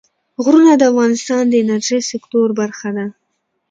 غرونه د افغانستان د انرژۍ سکتور برخه ده.